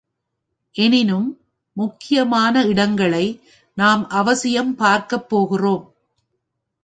எனினும், முக்கியமான இடங்களை நாம் அவசியம் பார்க்கப் போகிறோம்.